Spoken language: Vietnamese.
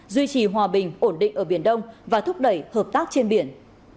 duy trì hòa bình ổn định ở biển đông và thúc đẩy hợp tác trên biển